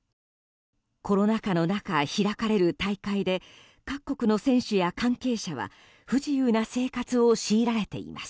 コロナ禍の中開かれる大会で各国の選手や関係者は不自由な生活を強いられています。